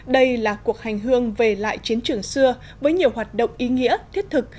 đây là cuộc hành hương về lại chiến trường xưa với nhiều hoạt động ý nghĩa thiết thực